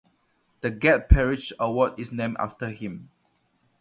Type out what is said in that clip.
The Gat Perich award is named after him.